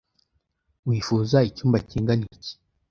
Wifuza icyumba kingana iki?